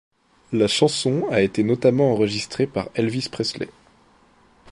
La chanson a été notamment enregistrée par Elvis Presley.